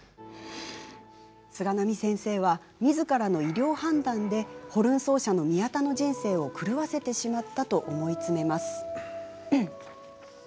菅波先生はみずからの医療判断でホルン奏者の宮田の人生を狂わせてしまったと思い詰めます。